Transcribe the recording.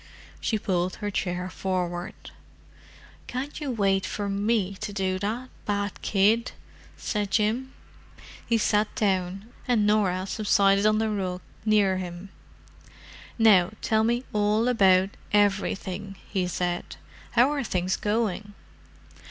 She pulled her chair forward. "Can't you wait for me to do that—bad kid!" said Jim. He sat down, and Norah subsided on the rug near him. "Now tell me all about everything," he said. "How are things going?"